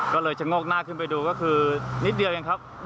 ก็เลยชะโงกหน้าขึ้นไปดูก็คือนิดเดียวเองครับ